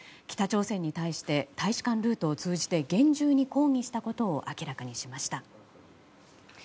北朝鮮に対して大使館ルートを通じて厳重に抗議したことを明らかにしました。